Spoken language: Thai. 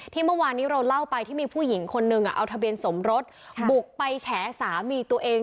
เมื่อวานนี้เราเล่าไปที่มีผู้หญิงคนนึงเอาทะเบียนสมรสบุกไปแฉสามีตัวเอง